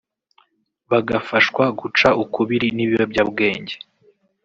bagafashwa guca ukubiri n’ibiyobyabwenge